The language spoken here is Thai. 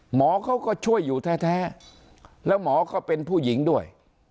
หมอเขาก็ช่วยอยู่แท้แล้วหมอก็เป็นผู้หญิงด้วย